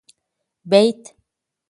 بيت